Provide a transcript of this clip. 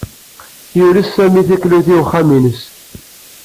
Yules Sami taklut i uxxam-nnes.